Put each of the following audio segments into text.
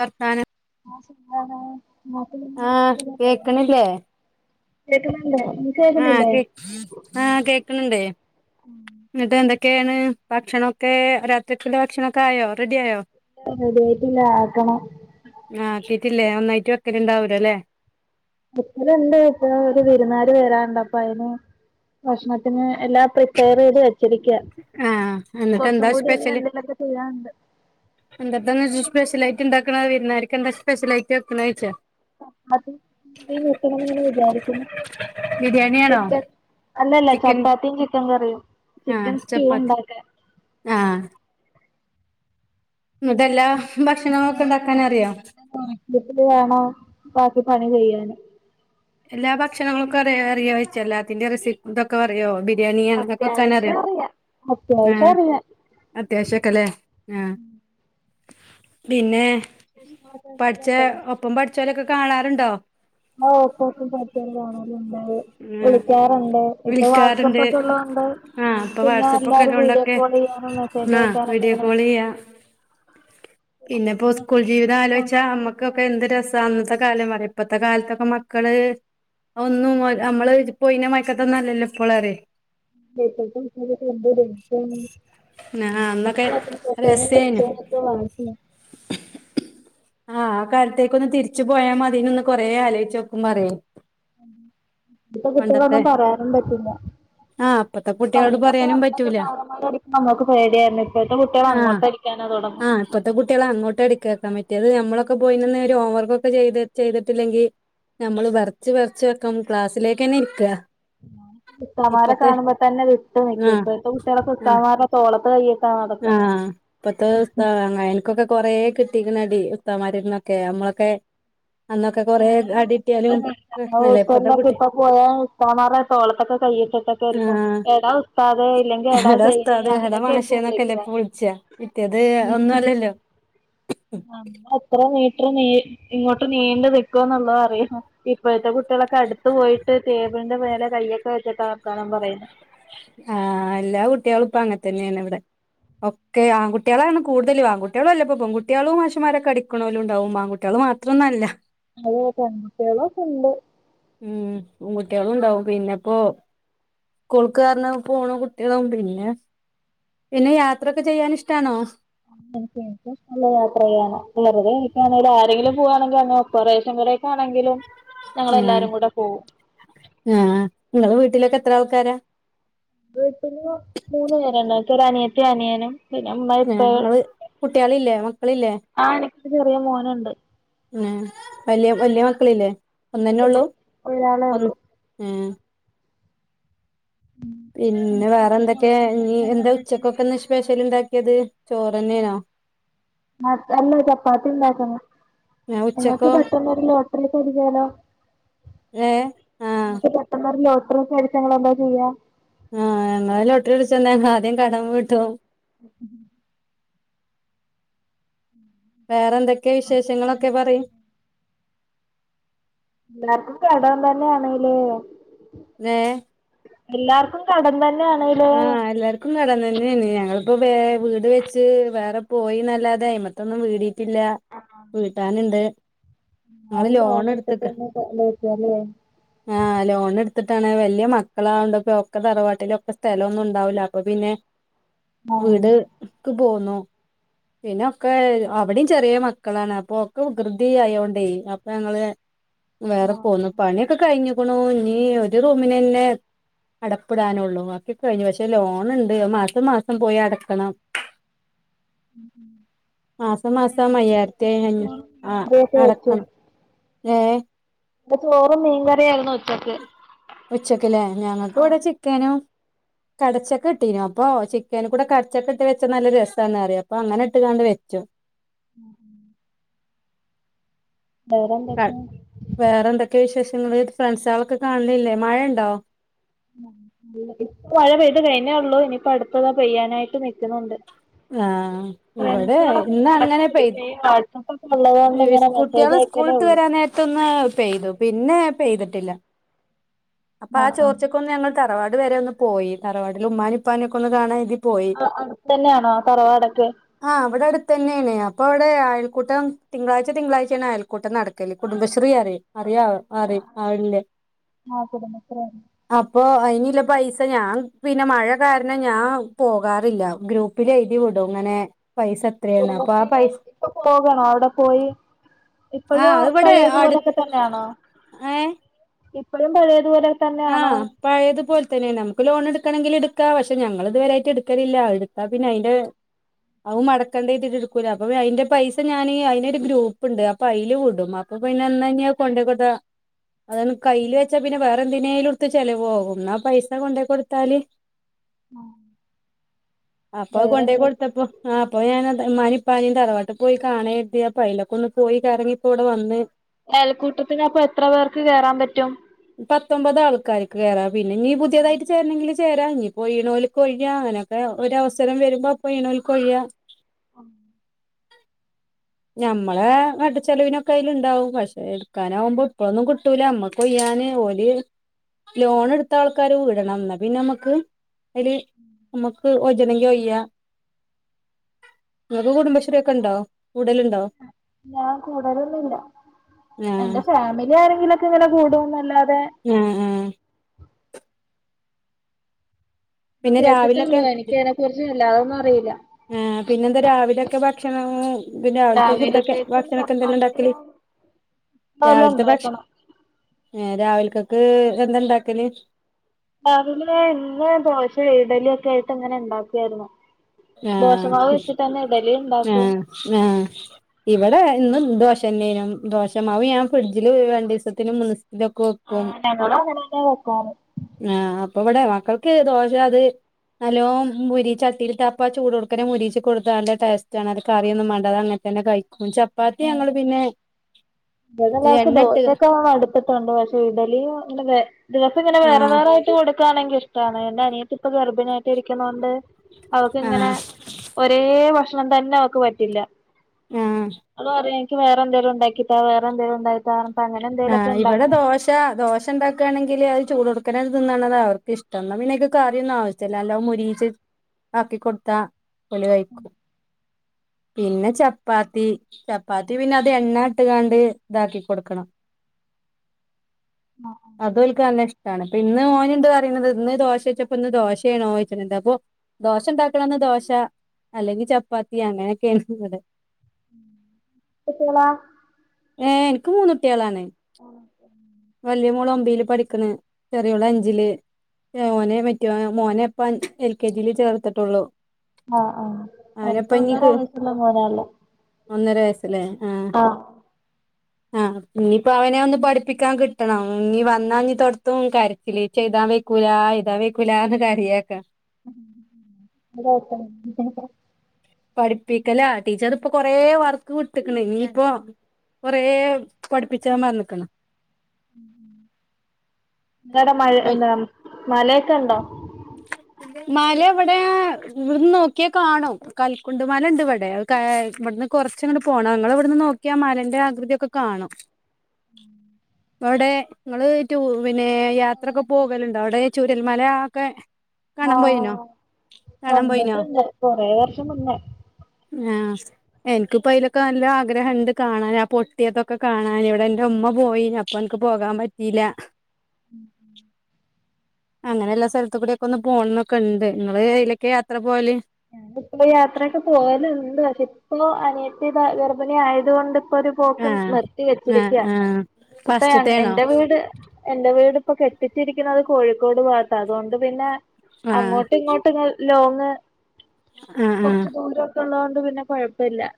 വർത്താനം [inaudible] ആഹ് കേക്കണില്ലേ ആഹ് കേക്ക്‌ന്നിലെ കേ ആഹ് കേക്കണണ്ടേ എന്നിട്ട് എന്തൊക്കെണ് ഭക്ഷണൊക്കെ രാത്രികിലെ ഭക്ഷണൊക്കെ ആയോ റെഡി ആയോ റെഡി ആയിട്ടില്ല ആക്കണം ആഹ ആക്കിട്ടിലല്ലേ ഒന്നായിട്ട് വെക്കല ഉണ്ടാവലോ അല്ലേ വെക്കല്ണ്ട് ഇപ്പൊ ഒരു വിരുന്നാര് വരാന്നുണ്ട് അപ്പ അതിന് ഭക്ഷണത്തിന് എല്ലാം പ്രിപ്പയർ ചെയ്ത് വ ആഹ് എന്നിട്ട് കുറച്ചും എന്താ കൂടി ഇനി എന്തേലൊക്കെ ചെയ്യാനുണ്ട് എന്താന്ന് സ്പെഷ്യലായിട്ട ഉണ്ടാകുന്നെ വിരുന്നാർക്ക് സ്പെ്ഷലായിട്ട വെക്കണ ചോയിച്ച അത് നിക്കണംന്ന് വിചാരിക്കുന്നു ബിരിയാണിയാണോ ചിക്കൻ അല്ലല്ല ചിക്കൻ ചപ്പാത്തിയും ചിക്കൻ കറിയും ചിക്കൻ ആഹ് സ്റ്റൂ ചപ്പാത്തി ഉണ്ടാക്കാൻ ആഹ് എല്ല്ലാ ഭക്ഷണങ്ങളൊക്കെ ഉണ്ടാക്കാന അറിയോ [unintelligible] വേണോ ബാക്കി പണി ചെയ്യൻ എല്ലാ ഭക്ഷണങ്ങളൾക്കും അറിയൂ അറിയോച്ച എല്ലാത്തിന്റെ റെസിപ്പൊക്കെ അറിയോ ബിരിയാണി ഒക്കെ വെക്കാന അറിയോ അത്യാവശ്യം അറിയാം അത്യാവശ്യം ആഹ് അറിയാം അത്യാവശ്യൊക്കെല്ലേ ആഹ് പിന്നെ [unintelligible] പ്പം പഠിച്ചോലൊക്കെ കാണാറുണ്ടോ ഓ ഒപ്പം പടിച്ചൊരെ ഒക്കെ കാണാറ്ണ്ട് ആ വിളിക്കാറുണ്ട് ഇപ്പൊ വാട്സആപ്പ് വിളിക്കാറുണ്ട് ഒക്കെ ഉള്ളതത് കൊണ്ട് ആ ഇപ്പൊ പിന്നെ വാട്സപ്പൊക്കെ എല്ലാരും വീഡിയോ ഉള്ളോണ്ടൊക്കെ കോൾ ചെയ്യാനും മെസ്സേജ് ആ അയക്കാനൊക്കെ വീഡിയോ ഇങ്ങനെ നിക്കും പിന്നെപ്പോ നിങ്ങൾക്ക് സ്കൂൾ പെട്ടെന്ന് ജീവിതം ആലോചിച്ചാൽ നമ്മുക്കൊക്കെ എന്ത് രസം അന്നത്തെ കാലം പറ ഇപ്പത്തെ കാലത്തൊക്കെ മക്കള് ഒന്നും നമ്മള് പോയിന മയക്കത്ത നല്ലല്ലോ ഇപ്പോള്ളോർ ആ [unintelligible] അന്നൊക്കെ രസേനു [unintelligible] ആഹ ആഹ് കാലത്തേക്ക ഒന്ന് തിരിച്ചു പോയാ മതി ഒന്ന് കൊറെ ആലോചിച്ചോക്കും പറയും ഉം ഇപ്പൊ കുട്ടികളൊന്നും പറയാനും പറ്റില്ല ആഹ് ഇപ്പോത്തെ പണ്ടൊത്തെ സർമാരൊക്കെ പേടി നമുക്ക് പേടിയായിരുന്നു ഇപ്പോഴത്തെ കുട്ടികളെ ആഹ് അങ്ങോട്ട് അടിക്കും [unintelligible] ആഹ് ഇപ്പത്തെ കുട്ടികെ അങ്ങോട്ട് അടുക്കക്കാൻ പറ്റിയത് നമ്മളൊക്കെ പോയിന്ന് ഒരു ഓവർക്കൊക്കെ ചെയ്ത് ചെയ്തിട്ടില്ലെങ്കിൽ നമ്മള് വെറിച്ച് വെറച്ച് വെക്കും ക്ലാസ്സിലേക്ക് തന്നെ ഇരിക്കുക ഉസ്താദുമാരെ കാണുമ്പോ തന്നെ വിട്ട് നിക്കും ആഹ് ഇപ്പഴത്തെ കുട്ടികളെ ആഹ് ഉസ്താദുമാരുടെ തോളത്ത് കയ ആഹ് ഇപത്തെ ഉസ്താദുമ എനിക്കൊക്കൊ കൊറേ കിട്ടിക്കണ അടി ഉസ്താദുമാരുന്നൊക്കെ നമ്മളൊക്കെ [inaudible] അന്നൊക്കെ കൊറേ അടിട്ടിയാലും പ്രശ്നല്ല ഇപ്പത്തെ [unintelligible] കുട്ടി ഇപ്പ പോയ ഉസ്താദുമാരുടെ തോളത്തെക്കെ കൈയിട്ടിട്ടെ ആഹ് എടാ ഉസ്താദേ ഇല്ലെങ്കിൽ എടാ ജൈനി അങ്ങനെയൊക്കെ ആയിരിക്കും വിളിക്കാ ല്ലേപ്പൊ വിളിച്ചാ പിറ്റേത് ഒന്നും അല്ലല്ലോ എത്ര മീട്ടർ നീ ഇങ്ങോട്ട് നീണ്ടു നിൽക്കുന്നുള്ളതറിയണം ഇപ്പോഴത്തെ കുട്ടി കുട്ടികളൊക്കെ അടുത്ത് പോയിട്ട് ടേബിളിന്റെ മെലെകയ്യൊക്കെ വെച്ചട്ടാ വർത്താനു പറയുന്നത് ആഹ് എല്ലാ കുട്ടികളും ഇപ്പ അങ്ങെ തന്നെയാണ് ഇവിടെ ഒക്കെ ആൺകുട്ടികളാണ് കൂടുതലും ആൺകുട്ടി പെൺകുട്ടികളും മാശമാരക്കെ അടിക്കണോലും ഉണ്ടാവും ആൺകുട്ടികൾ മാത്ര [unintelligible] അതെ ഫ്രഡ്സ്കളൊക്കെ ഉണ്ട് ഉം പെൺകുട്ടികളും ഉണ്ടാവും പിന്നെപ്പോ സ്കൂൾക്ക് കാരന പോണ കുട്ടികളും പിന്നെ പിന്നെ യാത്രയൊക്കെ ചെയ്യാൻ ഇഷ്ടാണോ [unintelligible] നല്ല യാത്രയാണ് വെറുതെ ആണെങ്ക ആരെങ്കിലും പോവാണെങ്കിൽ അങ്ങനെ ഒക്ക കൊറേശം കൊറേശം ആണെങ്കിലും ആഹ് ഞങ്ങളെല്ലാരും കൂടെ പോകും ആഹ് ങ്ങളെ വീട്ട്ലൊക്കെ എത്രാൾക്കാരാ? വീട്ട്‌ല് മൂന്ന് പേരാള്ളെ എൻക്കൊരനിയത്തിയും അനിയനും പിന്നെ ഉമ്മ ഇപ്പ ഇങ്ങള് കുട്ട്യാളില്ലേ മക്കളില്ലേ? ആഹ് നിക്ക് ചെറിയ മോന്ണ്ട് ഏഹ് വല്യ വലിയ മക്കളില്ലേ പിന്നെ ഓന്നെനൊള്ളൂ ഒരാളെ ഒന്ന് ഉള്ളൂ ഏഹ് പിന്നെ എനിക്ക് പെട്ടെന്ന് വേറെന്തെക്കെ ലോട്ടറിയൊക്കെ ഇനീ അടിച്ചാ എന്താ നിങ്ങളെന്താ ചെയ്യാ ഉച്ചക്കൊക്കെന്ന് സ്പെഷ്യല് ണ്ടാക്കിയെത് [unintelligible] ചപ്പാത്തിണ്ടാക്കണം ഏഹ് ഇങ്ങക്ക് ഉച്ചക്കോ പെട്ടന്നൊരു ലോട്ടറിയൊക്കെ അടിച്ചാലോ ഏഹ് ആഹ് ങ്ങക്ക് പെട്ടെന്നൊരു ലോട്ടറിയൊക്ക അടിച്ചാ എന്താ ചെയ്യാ? ആഹ് ഞങ്ങള് ലൊട്ടറി അടിച്ചന്നെ ആദ്യം കടം വീട്ടും [unintelligible] വേറെന്തൊക്കെയാ വിശേഷങ്ങളൊക്കെ പറി എല്ലാർക്കും കടം തന്നെയാണ്ലെ നേഹ് എല്ലാർക്കും കടം തന്നെ ആഹ് എല്ലാര്ക്കും ന്നും നടന്നുന്നെയെ ഞങ്ങളിപ്പോ വേ വീട് വെച്ച് വേറെ പോയിന്നല്ലാതെ നെയ്മത്തൊന്നും വീടീട്ടില്ല. വീട്ടാന്ണ്ട് ങ്ങള് ആരും ലോണട്ത്ത്ക്ക ലോണെടുത്തിട്ടൊന്നും ഇല്ലായിരിക്കുവല്ലേ ആഹ് ലോണിട്ത്തിട്ടാണ് വല്യ മക്കളാവോണ്ടക്കെ ഒക്കെ തറവാട്ടിലൊക്ക ചെലൊന്നുണ്ടാവൂല്ല അപ്പൊ പിന്നെ ആഹ് വീട് ക്ക് പോന്നു പിന്നൊക്കെ അവ്ടീം ചെറിയ മക്കളാണ് അപ്പൊക്കെ വികൃതി ആയോണ്ടേ അപ്പൊ ഞങ്ങള് വേറെ പോന്നു പണിയൊക്കെ കഴിഞ്ഞ്ക്ക്ണു ഇനീ ഒരു റൂമിനന്നെ അടപ്പ്ടാനൊള്ളൂ ബാക്കി കഴ്ഞ്ഞു പക്ഷെ ലോണ് ണ്ട് മാസം മാസം പോയി അടക്കണം ഉം ഉം മാസം മാസം അയ്യായിര്ത്തി അഞ്ഞു ചോറും ആഹ് മീൻ കറിയൊക്കെ അടക്കണം ഏഹ് ഇന്ന് ചോറും മീൻകറിയാരുന്നു ഉച്ചക്ക് ഉച്ചക്ക്ല്ലേ ഞങ്ങക്ക്വ്ടെ ചിക്കനും കടച്ചക്കട്ടീനു അപ്പൊ ചി ക്കേന്കൂടെ കടച്ചക്കട്ട് വെച്ച നല്ല രസാന്നറിം അപ്പൊങ്ങന്ട്ട്കാണ്ട് വെച്ചു. ഉം വേറന്തെക്കെയ? വേറെന്തൊക്കെ വിശേഷങ്ങള് ഫ്രണ്ട്സാളെക്കെ കാണ്ലില്ലേ മഴണ്ടോ? ഇപ്പ മഴ പെയ്ത് കഴിഞ്ഞേ ഉള്ളു ഇനീപ്പോ അടുത്തതാ പെയ്യാനായിട്ട് നിക്കുന്നുണ്ട് ആഹ് ഇവ്ടെ ഫ്രണ്ട്സുകളൊക്കെ ഇങ്ങനെ ഇടക്ക് ഇന്നങ്ങനെ പെയ് വിളിക്കും ഈ വാട്ട്സപ്പും ഈസ് കൂട്ട്യാള് സ്കൂൾട്ട് വരാനേര ത്ത്ന്ന് പെയ്തു പിന്നെ പെയ്തിട്ടില്ല അപ്പൊ ആ ആഹ് ആഹ് ചോർച്ചക്കൊന്ന് ഞങ്ങ തറവാട് വരെ ഒന്ന് പോയി തറവാട്ടിൽ ഉമ്മാനിപ്പാനൊക്കൊന്ന് കാണാൻ പോയി ആഹ് അടുത്തന്നെയാണോ തറവാടെക്കെ? ആഹ് ഇവ്ടെ അട്ത്തന്നേണ് അപ്പവ്ടെ അയൽ കൂട്ടം തിങ്ക്ളാഴ്ച തിങ്ക്ളാഴ്ചെണ് അയൽക്കൂട്ടം നടക്കല് കുടുംബശ്രീയറിം, അറിയാവൊ? അറിം ആള്ല്ലേ ആഹ് കുടുംബശ്രീയിലാ അപ്പൊ അയിന്ള്ള പൈസ ഞാ പിന്നെ മഴ കാരണം ഞാ പോകാറില്ല ഗ്രൂപ്പ് പ്പ്‌ല് എഴ്തിവിടും ങ്ങനെ കുടുംബശ്രീലെ ഇപ്പൊ പോകണൊ അവ്ടെ പോയി ആ ഇപ്പൊഴും അത് ഇവിടെ പഴേതു അടു പോലൊക്കെ തന്നെയണോ? ഏ ഇപ്പഴും പഴേതുപോലെ തന്നെയണൊന്ന് പഴേതു പോൽതന്നെണ് അമ്ക്ക് ലോണെടുക്കണങ്കിലെടുക്കാ പക്ഷെ ഞങ്ങളിതുവരായിട്ട് എട്ക്കലില്ല എടുത്താ പിന്നെ അയ്ന്റെ അവും മടക്കണ്ടേ [unintelligible] എടുക്കൂല അപ്പൊ അയ്ന്റെ പൈസ ഞാന് അയിനൊരു ഗ്രൂപ്പ്ണ്ട് അപ്പൊ അയില് വിടും അപ്പൊ പിന്നെന്ന നി അത് കൊണ്ടെ കൊടുത്ത അത് കയ്യിൽ വെച്ചാ പിന്നെ വേറെ എന്തിനേലുട്ത്ത് ചെലവോകും എന്നാ പൈസ കൊണ്ടേ കൊടുത്താല് അപ്പൊ അത് കൊണ്ടോയി വേറെന്ത് കൊടുത്തപ്പോ ആ അപ്പൊ ഞാൻ ഇമ്മാനിം ഉപ്പാനിം തറവാട്ടിൽ പോയി കാണേരുതി അപ്പൊ അയിഊലൊക്കെ ഒന്ന് പോയി കറങ്ങിപ്പോ ഇപ്പൊ ഇവിടെ വന്ന് ഏൽക്കൂട്ടത്തിനപ്പൊ എത്ര പേർക്ക് കേറാൻ പറ്റും പത്തൊമ്പത് ആൾക്കാര്ക്ക് കേറാ പിന്നെനി പുതിയതായിട്ട് ചേരണെങ്കിൽ ചേരാ ഇനിപ്പോ ഒഴ്ന്നോൽക്ക് ഒഴ്യാം അയ്നൊക്കെ ഒരവസരം വരുമ്പോ അപ്പൊ ഒഴിന്നോൽക്ക് ഒഴിയാം [inaudible] ഞമ്മളെ വട്ട ചെലവിനൊക്കേയ്ലണ്ടാവും പക്ഷെ എടുക്കാനാവുമ്പോ ഇപ്പൊന്നും കിട്ടൂല നമ്മ ഒയാന് ഓല് ലോണെടുത്താൾക്കാര് വിടണം എന്ന പിന്നെ നമ്മക്ക് അയ്ല് നമുക്ക് ഒ യണങ്കി ഒയ്യ ങ്ങക്ക് കുടുംബശ്രീ ഒക്കെണ്ടോ ഞാൻ കൂടലൊന്നുല്ല ആഹ് എന്റെ ഫാമിലി ആരെങ്കിലൊ ക്കെങ്ങനെ കൂടുന്നല്ലാതെ ആഹ് ആഹ് പിന്നെ കേട്ടിട്ടുല്ല രാവിലൊക്കെ എനിക്ക് അയ്നെക്കുറിച്ച് വല്ലാതൊന്നും അറിയില്ല ആഹ് പിന്നെന്താ രാവിലെയൊക്കെ ഭക്ഷണം പിന്നെ രാവിലത്തെ ഫുഡൊക്കെ രാവിലത്തേക്കും ഭക്ഷണൊക്കെന്തെല്ലാ ഉണ്ടാക്കല് ചപ്പാത്തിയും വല്ലോം രാവിലത്തെ ഭക്ഷ ഉണ്ടാക്കണം ഏ രാവിൽക്കക്ക് എന്താണ്ടാക്കല് രാവ് വിലെ ഇന്ന് ദോശ ഇഡലി ഒക്കെ ആയിട്ട് ഇങ്ങനെ ഉണ്ടാക്കിയാരുന്നു ആഹ് ദോശമാവ് വെച്ചിട്ട് തന്നെ ഇടലിണ്ടാക്കും ആഹ് ആഹ് ഇവിടെ ന്നും ദോശ തന്നേനും ദോശമാവ് ഞാൻ ഫ്രിഡ്ജില് രണ്ടിസത്തിനും മൂന്നിസത്തിനും ഒക്കെ വ ആഹ് ഞങ്ങളു അങ്ങനെന്നെ വെക്കാറ് ആ അപ്പൊവിടെ മക്കൾക്ക് ദോശാത് നല്ലോം മൊരി ചട്ടിലിട്ട ഇപ്പൊ ആ ചൂടോടുതനെ മൊരിയിച്ച് കൊടുത്താ നല്ല ടേസ്റ്റാണ് അത് കറിയൊന്നും വേണ്ട അതങ്ങൻതന്നെ കഴിക്കും ചപ്പാത്തി ഞങ്ങൾ പിന്നെ ഇവിടെള്ളാൾക്ക് എണ്ണ ഇട്ട് ദോശയൊക്കെ മടുത്തിട്ടൊണ്ട് പക്ഷെ ഇഡലിയും അ- ദിവസങ്ങനെ വേറെ ആഹ് വേറായിട്ട് കൊടുക്കാണെങ്കി ഇഷ്ടാണ് എന്റെ അനിയത്തി ഇപ്പൊ ഗർഭിണി ആയിട്ട് ഇരിക്കുന്നോണ്ട് അവക്കിങ്ങനെ ആഹ് ഒരേ ഭക്ഷണം തന്നവക്ക് പറ്റില്ല ആഹ് അവള് പറയും എനിക്ക് വേറെന്തേലും ഒണ്ടാക്കി താ വേറെന്തെലും ഒണ്ടാക്കി [unintelligible] അങ്ങനെ എന്തെലൊക്കെണ്ടാക്കും ദോശണ്ടാക്കാണെങ്കില് അത് ചൂടോടുക്കനെ തിന്നണതാ അവർക്ക് ഇഷ്ടം എന്നാ പിന്നേക്ക് കറിയൊന്നും ആവശ്യ ച്ചെല്ലാല്ലോം മൊരിയിച്ച് ആക്കി കൊടുത്താ ഓല് കഴിക്കും പിന്നെ ചപ്പാത്തി ചപ്പാത്തി പിന്നത് എണ്ണ ഇട്ട്കാണ്ട് ഇതാക്കി കൊടുക്കണം ആഹ് അതോല്ക്ക് നല്ല ഇഷ്ടാണ് ഇപ്പൊ ഇന്ന് ഓനിണ്ട് പറയുന്നത് ഇന്ന് ദോശെച്ചപ്പോ ഇന്ന് ദോശയാണോയ്ക്കണ് ണ്ട് അപ്പൊ ദോശണ്ടാക്കണന്ന് ദോശ അല്ലെങ്കി ചപ്പാത്തി അങ്ങനെക്കെയാണ് ഇവിടെ പ്പ പൂള ഏഹ് എനക്ക് മൂന്നൂട്ടികളാണ് വല്യ മോള് ഒമ്പീല് പഠിക്കണ് ചെറിയോളഞ്ചില് ഓനെ മറ്റോ മോനെപ്പം എൽ കെ ജില് ചേർത്തിട്ടുള്ളു ആഹ് ആ എനക്ക് ഒന്നര വയസ്സുള്ള മോനാള്ളെ ഒന്നര വയസ്സ്ള്ളേ ആഹ് ആ ഇന്നിപ്പോ അവനെ ഒന്ന് പഠിപ്പിക്കാൻ കിട്ടണം ഇനി വന്നാ ഇനി തൊടത്തും കര ഇലീച്ചെഴുതാൻ വെയ്ക്കൂല എയ്താൻ വെയ്ക്കൂല എന്ന് കരയാക്ക [unintelligible] പഠിപ്പിക്കലാ ടീച്ചറിപ്പൊ കൊറേ വർക്ക് വിട്ട്ക്കണ് ഇനീപ്പൊ കൊറെ പഠിപ്പിച്ചാ പറന്ക്കണ് ങ്ങാടെ മഴ എന്താ മലയെക്കെണ്ടോ ഉ മലവ്ടെ ഇവിട്ന്ന് നോക്കിയാ കാണു കൽക്കുണ്ട് മലണ്ട് ഇവിടെ കാ ഇവിടുന്ന് കൊറച്ചങ്ങട് പോണം ഞങ്ങളവിടുന്ന് നോക്കിയാ മലന്റെ ആകൃതിയൊക്കെ കാണും [inaudible] അവിടെ ങ്ങള് ടൂ പിന്നെ യാത്രൊക്കെ പോകലുണ്ടാവിടെ ചുരൽമല ഒക്കെ കാണാൻ പോയിനോ ആഹ് കാണാൻ പോയിനോ കണ്ടിട്ടുണ്ട് കൊറേ വർഷം മുന്നെ ആഹ് എനിക്കിപ്പയ്ലക്കെ നല്ല ആഗ്രഹണ്ട് കാണാന് ആ പൊട്ടിയതൊക്കെ കാണാന് ഇവിടെന്റുമ്മ പോയിനി അപ്പൊനക്ക് പോകാൻ പറ്റീല്ല [inaudible] അങ്ങനെള്ള സ്ഥലത്തു കൂടിയെക്കൊന്ന് പോണംന്നൊക്കെണ്ട് നിങ്ങള് എയ്ലേക്കെ യാത്ര പോവല് [unintelligible] യാത്രയൊക്കെ പോവല്ണ്ട് പക്ഷെപ്പോ അനിയത്തി സ ഗർഭിണി ആയത് കൊണ്ട് ഇപ്പോരു പോക്ക് ആഹ് നിർത്തി ആഹ് വെച്ചിരിക്കയ ആഹ് ഇപ്പ ഫസ്റ്റ്ത്തെയാണോ എന്റെ വീട് എന്റെ വീട്പ്പോ കെട്ടിച്ചിരിക്കുന്നത് കോഴിക്കോട് ഭാഗത്താതുകൊണ്ട് പിന്നെ ആഹ് അങ്ങോട്ടും ഇങ്ങോട്ട്ങ്ങ ലോങ്ങ് ആഹ് ആഹ് കൊറച്ച് ദൂരൊക്കൊള്ളോണ്ട് പിന്നെ കൊഴപ്പില്ല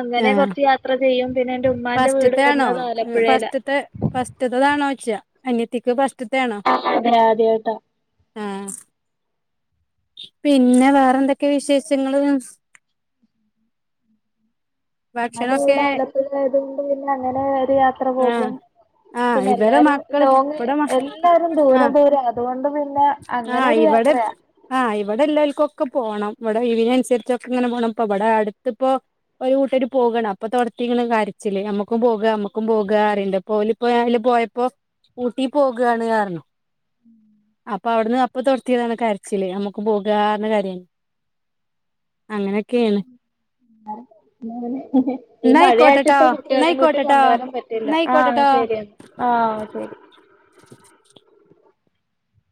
അങ്ങനെ ആഹ് കൊറച്ച് യാത്ര ചെയ്യും പിന്നെ എന്റെ ഉമ്മാന്റെ വീട് വരുന്നതാലപ്പുഴയിലാ ഫസ്റ്റത്തതാണോയ്ച്ച്യ അന്യത്തിക്ക് ഫസ്റ്റത്തയാണോ അതെ ആദ്യായിട്ടാ ആഹ പിന്നെ വേറെ ന്തൊക്കെ വിശേഷങ്ങൾ അന്റെ ഭക്ഷണൊക്കെ വിടെ ആലപ്പുഴ ആയതുക കൊണ്ട് പിന്നെ അങ്ങനെ ഒരു യാത്ര ആഹ് പോകും ആഹ് പിന്നെ ഇവരെ ല്ലാരും മക്കള് ലോങ് ഇവിടെ മ എല്ലാരും ആഹ് ദൂരെം ദൂരെം അതുകൊണ്ട് പിന്നെ അങ്ങനെ ആഹ് ഒരു ഇവിടെ യാത്രയാ ആഹ് ഇവിടെ ഇല്ലാക്ക ഒക്കെ പോകണം ഇവിടെ ഒഴിവ്നനുസരിച്ചൊക്കെ ഇങ്ങനെ പോണം ഇപ്പ ഇവിടെ അടുത്തിപ്പോ ഒരു കൂട്ടർപോകണം അപ്പൊ തുടതിക്ക്ണ് കരച്ചില് നമ്മുക്കും പോക നമ്മക്കും പോകാ പറിണ്ട്. ഓലിപ്പോ അതില് പോയപ്പോ ഊട്ടി പോകാണു പറഞ്ഞു അപ്പൊ അവിടുന്ന്പ്പോ തുടത്തിയതാണ് കരച്ചില് നമുക്ക്പോകാ പറഞ്ഞു കരയാണ് അങ്ങനെയൊക്കെയാണ് ഈ എന്നാ മഴയായിട്ട് ആയിക്കോട്ടെട്ടോ ഇപ്പ എന്നാ കുട്ടികളെയും കൂട്ടി ആയിക്കോട്ടെട്ടോ കൊണ്ടുവ പറ്റും എന്നാ ആഹ ആയിക്കോട്ടെട്ടോ ശരിയ ആഹ ശരി [inaudible]